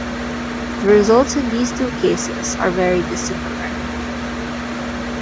The results in these two cases are very dissimilar.